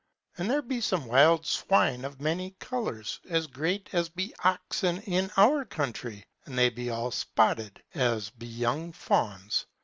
And there be also wild swine of many colours, as great as be oxen in our country, and they be all spotted, as be young fawns.